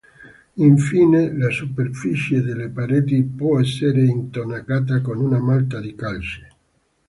Infine, la superficie delle pareti può essere intonacata con una malta di calce.